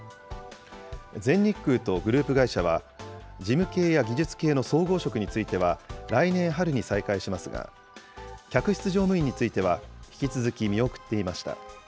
全日空とグループ会社は事務系や技術系の総合職については、来年春に再開しますが、客室乗務員については、引き続き見送っていました。